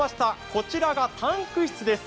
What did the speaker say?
こちらがタンク室です。